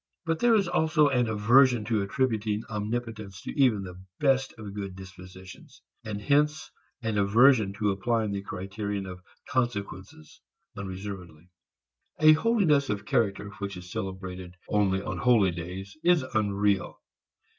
But there is also an aversion to attributing omnipotence to even the best of good dispositions, and hence an aversion to applying the criterion of consequences unreservedly. A holiness of character which is celebrated only on holy days is unreal.